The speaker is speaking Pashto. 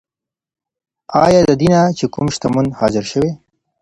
آيا ددينه چې کوم دشمن حاضر شوی؟